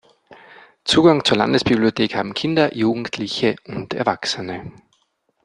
Zugang zur Landesbibliothek haben Kinder, Jugendliche und Erwachsene.